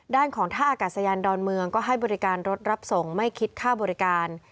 ด้านของท่าอากาศยานดอนเมืองก็ให้บริการรถรับส่งไม่คิดค่าบริการ